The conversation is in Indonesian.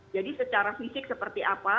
secara fisik seperti apa